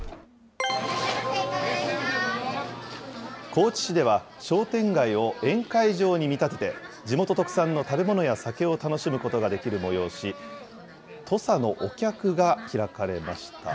高知市では商店街を宴会場に見立てて、地元特産の食べ物や酒を楽しむことができる催し、土佐のおきゃくが開かれました。